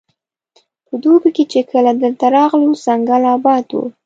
په دوبي کې چې کله دلته راغلو ځنګل اباد وو.